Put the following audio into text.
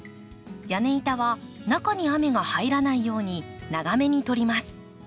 屋根板は中に雨が入らないように長めに取ります。